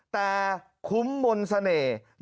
แต่คุ้มมนต์เสน่ห์